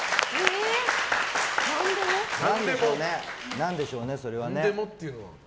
何でしょうね、それはね。